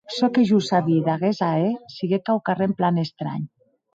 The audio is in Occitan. Çò que jo sabí d’aguest ahèr siguec quauquarren plan estranh.